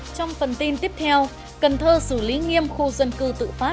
trong phần tin tiếp theo cần thơ xử lý nghiêm khu dân cư tự phát